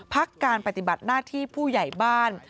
พักการปฏิบัติหน้าที่ผู้ใหญ่บ้าน